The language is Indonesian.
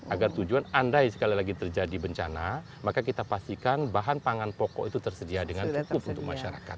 agar tujuan andai sekali lagi terjadi bencana maka kita pastikan bahan pangan pokok itu tersedia dengan cukup untuk masyarakat